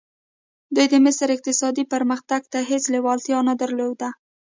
دوی د مصر اقتصادي پرمختګ ته هېڅ لېوالتیا نه درلوده.